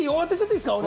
いいですか？